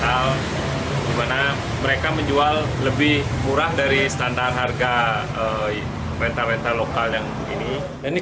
bagaimana mereka menjual lebih murah dari standar harga rental rental lokal yang begini